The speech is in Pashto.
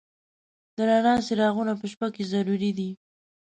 د رڼا څراغونه په شپه کې ضروري دي.